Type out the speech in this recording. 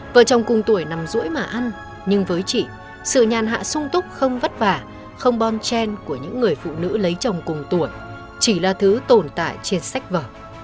vợ chồng cùng tuổi nằm rỗi mà ăn nhưng với chị sự nhàn hạ sung túc không vất vả không bon chen của những người phụ nữ lấy chồng cùng tuổi chỉ là thứ tồn tại trên sách vở